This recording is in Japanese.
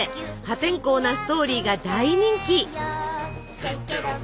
破天荒なストーリーが大人気！